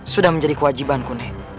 sudah menjadi kewajibanku nek